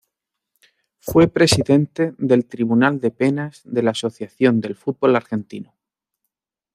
Fue presidente del Tribunal de penas de la Asociación del Fútbol Argentino.